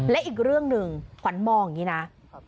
และอีกเรื่องหนึ่งขวัญมองอย่างนี้นะ